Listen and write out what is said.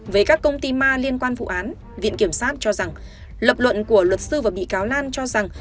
về các công ty ma liên quan vụ án viện kiểm sát cho rằng lập luận của luật sư và bị cáo lan cho rằng